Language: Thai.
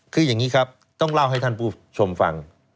คืออย่างนี้ครับต้องเล่าให้ท่านผู้ชมฟัง